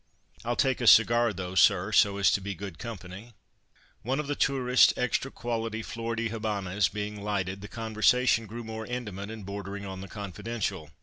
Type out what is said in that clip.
I'll take a cigar, though, sir, so as to be good company." One of the tourist's extra quality Flor de Habanas being lighted the conversation grew more intimate, and bordering on the confidential.